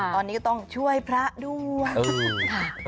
ตอนนี้ก็ต้องช่วยพระด้วยค่ะ